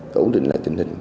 cấu định lại tình hình